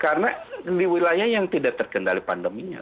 karena di wilayah yang tidak terkendali pandeminya